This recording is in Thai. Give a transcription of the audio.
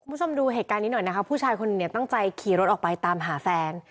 คุณผู้ชมดูเหตุการณ์นี้หน่อยนะคะผู้ชายคนเนี่ยตั้งใจขี่รถออกไปตามหาแฟน